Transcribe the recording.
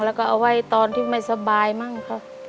แล้วเติมให้ตอนที่ไม่สบายบ้างครับ